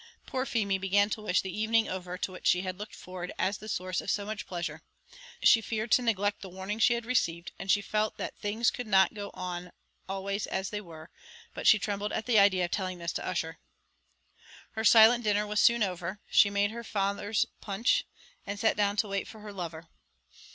Poor Feemy began to wish the evening over to which she had looked forward as the source of so much pleasure; she feared to neglect the warnings she had received, and she felt that things could not go on always as they were; but she trembled at the idea of telling this to Ussher. Her silent dinner was soon over; she made her father's punch, and sat down to wait for her lover.